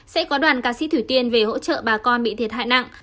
sẽ có đoàn ca sĩ thủy tiên về hỗ trợ bà con bị thiệt hại nặng